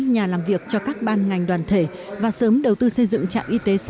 nhà làm việc cho các ban ngành đoàn thể và sớm đầu tư xây dựng trạm y tế xã